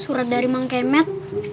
surat dari mang kemet